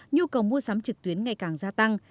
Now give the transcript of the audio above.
nhu cầu mua sắm trực tuyến ngày càng gia tăng